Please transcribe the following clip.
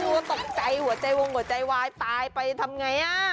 กลัวตกใจหัวใจวงหัวใจวายตายไปทำไงอ่ะ